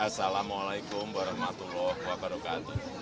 assalamu'alaikum warahmatullahi wabarakatuh